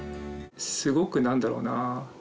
スゴくなんだろうな。